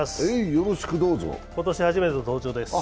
今年初めての登場です。